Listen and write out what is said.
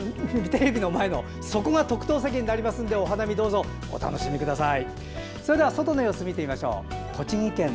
今日はテレビの前のそこが特等席になりますのでお花見どうぞお楽しみください。